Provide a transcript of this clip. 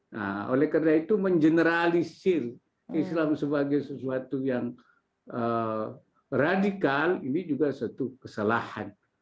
nah oleh karena itu mengeneralisir islam sebagai sesuatu yang radikal ini juga satu kesalahan